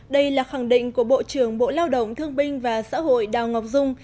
đây là khẳng định của bộ trưởng bộ lao động thương binh và xã hội đào ngọc dung